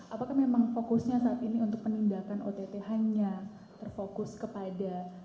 apakah memang fokusnya saat ini untuk penindakan ott hanya terfokus kepada